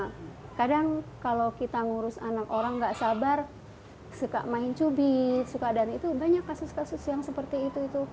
karena kadang kalau kita ngurus anak orang gak sabar suka main cubi suka dan itu banyak kasus kasus yang seperti itu